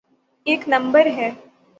ایک نمبر ہے؟